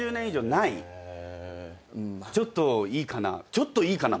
「ちょっといいかな？」